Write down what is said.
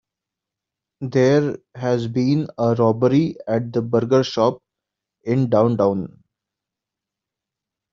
There has been a robbery at the burger shop in downtown.